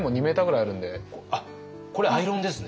あっこれアイロンですね。